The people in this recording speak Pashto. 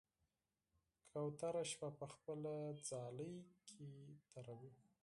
کوتره شپه په خپل ځاله تېروي.